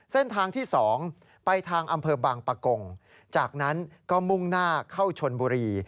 เส้นทางที่๒ไปทางอำเภอบางปะกงจากนั้นก็มุ่งหน้าเข้าชนบุรี